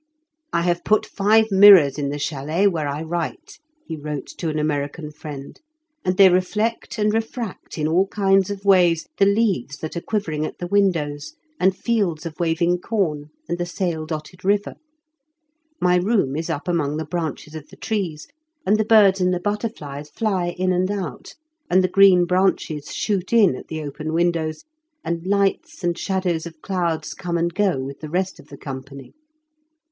*'I have put five mirrors in the chdlet, where I write," he wrote to an American friend ;" and they reflect and refract, in all kinds of ways, the leaves that are quivering at the windows, and fields of waving corn, and the sail dotted river. My room is up among the branches of the trees, and the birds and the butterflies fly in and out, and the green branches shoot in at the open windows, and lights and shadows of clouds come and go with the rest of the company.